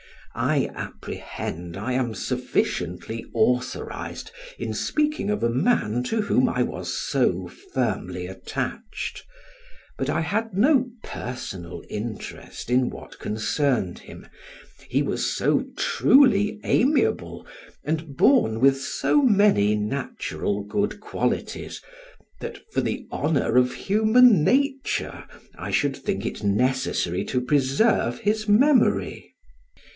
I apprehend I am sufficiently authorized in speaking of a man to whom I was so firmly attached, but I had no personal interest in what concerned him; he was so truly amiable, and born with so many natural good qualities that, for the honor of human nature, I should think it necessary to preserve his memory.